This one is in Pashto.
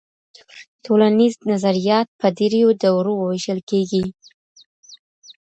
ټولنیز نظریات په درېیو دورو وېشل کيږي.